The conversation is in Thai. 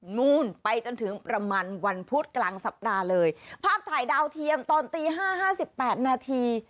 นู่นไปจนถึงประมาณวันพุธกลางสัปดาห์เลยภาพถ่ายดาวเทียมตอนตีห้าห้าสิบแปดนาที